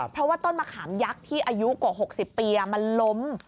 เพราะว่าต้นมะขามยักษ์ที่อายุกว่า๖๐ปีมันล้ม